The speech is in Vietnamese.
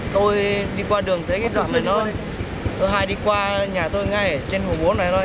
tôi đi qua đường thấy cái đoạn này thôi tôi hay đi qua nhà tôi ngay ở trên hồ bốn này thôi